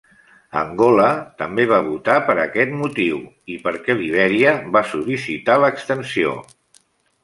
Angola també va votar per aquest motiu i perquè Libèria va sol·licitar l'extensió.